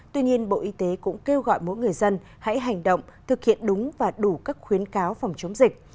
tuy nhiên bộ y tế cũng kêu gọi mỗi người dân hãy hành động thực hiện đúng và đủ các khuyến cáo phòng chống dịch